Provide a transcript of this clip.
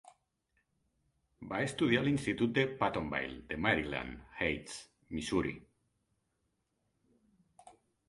Va estudiar a l'Institut de Pattonville de Maryland Heights, Missouri.